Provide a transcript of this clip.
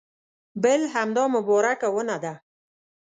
بل همدا مبارکه ونه ده.